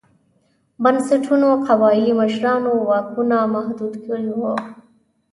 بنسټونو قبایلي مشرانو واکونه محدود کړي وو.